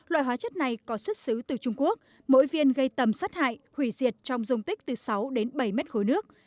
loại hóa chất này có xuất xứ từ trung quốc mỗi viên gây tầm sát hại hủy diệt trong dung tích từ sáu đến bảy mét khối nước